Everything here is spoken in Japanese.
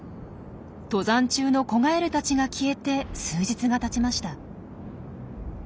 登山中の子ガエルたちが消えて数日がたちました。